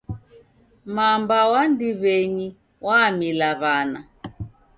Mamba w'a ndiw'enyi w'amila w'ana.